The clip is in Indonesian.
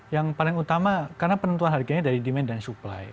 yang paling utama karena penentuan harganya dari demand dan supply